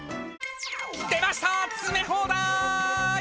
出ました、詰め放題！